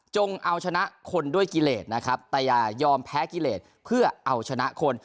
เอาชนะคนด้วยกิเลสนะครับแต่อย่ายอมแพ้กิเลสเพื่อเอาชนะคน